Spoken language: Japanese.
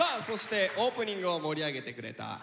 そしてオープニングを盛り上げてくれたＨｉＨｉＪｅｔｓ！